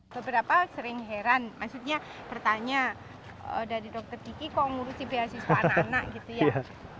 beberapa sering heran maksudnya bertanya dari dokter diki kok ngurusi beasiswa anak anak gitu ya